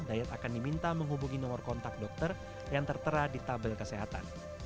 dayat akan diminta menghubungi nomor kontak dokter yang tertera di tabel kesehatan